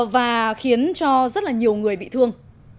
và khiến cho rất nhiều người bị thương